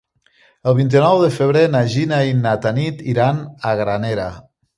El vint-i-nou de febrer na Gina i na Tanit iran a Granera.